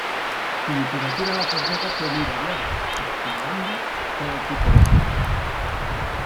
Su literatura en la posguerra fue muy variada, explorando todo tipo de temáticas.